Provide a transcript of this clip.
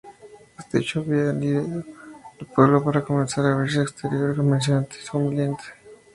Este hecho valió al pueblo para comenzar a abrirse al exterior comercialmente y socialmente.